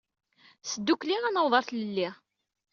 S tddukli, ad naweḍ ar tlelli.